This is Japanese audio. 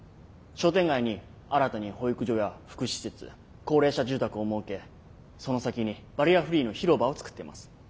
商店街に新たに保育所や福祉施設高齢者住宅を設けその先にバリアフリーの広場を作っています。